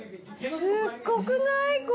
すっごくない？